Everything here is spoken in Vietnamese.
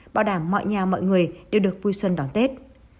bảo đảm mọi nhà mọi người đều được vui xuân đón tết